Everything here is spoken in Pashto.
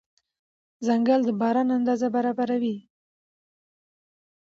ځنګل د باران اندازه برابروي.